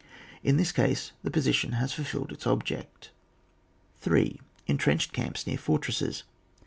In this case the position has fulfilled its object. 3. Entrenched eamps near fortresses.